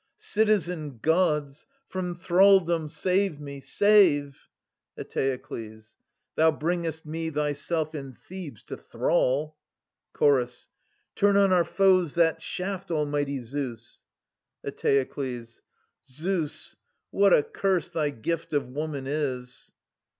Citizen gods, from thraldom save me — save ! Eteokles. ' Thou bringest me, thyself, and Thebes to thrall. Chorus. Turn on our foes that shaft, almighty Zeus ! Eteokles. Zeus, what a curse thy gift of woman is